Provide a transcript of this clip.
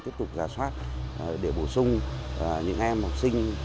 tiếp tục giả soát để bổ sung những em học sinh